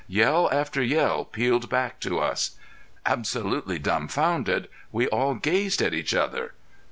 Yell after yell pealed back to us. Absolutely dumfounded we all gazed at each other.